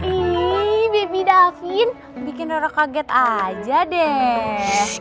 ihh baby davin bikin rara kaget aja deh